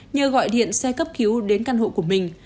nhờ gọi điện xe cấp cứu đến căn hộ của mình